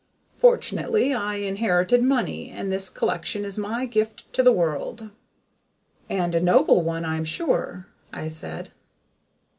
Fortunately, I inherited money, and this collection is my gift to the world." "And a noble one, I'm sure," I said.